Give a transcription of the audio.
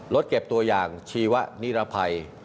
รถเก็บตัวอย่างชีวนิรภัย